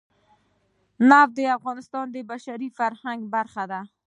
نفت د افغانستان د بشري فرهنګ برخه ده.